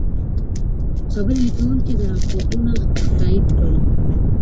خبرلیکونکي دا رپوټونه تایید کړل.